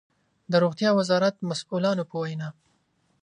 د روغتيا وزارت مسؤلانو په وينا